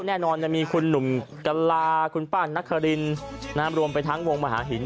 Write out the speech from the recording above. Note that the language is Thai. แน่นอนมีคุณหนุ่มกะลาคุณป้านครินรวมไปทั้งวงมหาหิน